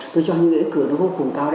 tôi cho anh nghĩa cử nó vô cùng cao đẹp